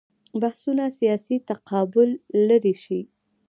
بحثونه سیاسي تقابل لرې شي.